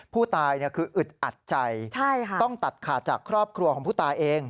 ผู้ตายคืออึดอัดใจต้องตัดขาดจากครอบครัวของผู้ตายเอง